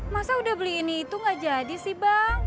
masa udah beli ini itu gak jadi sih bang